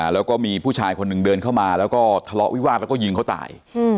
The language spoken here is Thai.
แล้วก็มีผู้ชายคนหนึ่งเดินเข้ามาแล้วก็ทะเลาะวิวาสแล้วก็ยิงเขาตาย